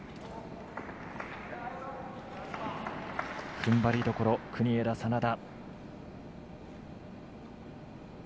ふんばりどころ国枝、眞田。